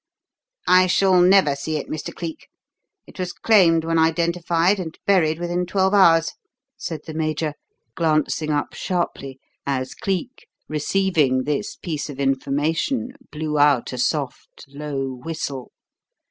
"I shall never see it, Mr. Cleek. It was claimed when identified and buried within twelve hours," said the Major, glancing up sharply as Cleek, receiving this piece of information, blew out a soft, low whistle.